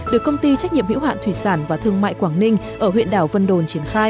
được công ty trách nhiệm hữu hạn thủy sản và thương mại quảng ninh ở huyện đảo vân đồn triển khai